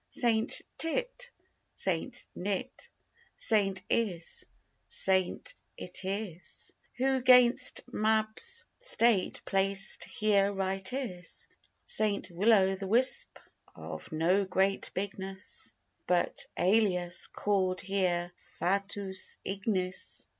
Saint Tit, Saint Nit, Saint Is, Saint Itis, Who 'gainst Mab's state placed here right is. Saint Will o' th' Wisp, of no great bigness, But, alias, call'd here FATUUS IGNIS.